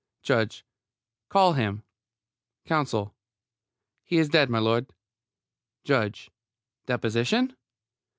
JUDGE: Call him. COUNSEL: He is dead, m'lud. JUDGE: Deposition?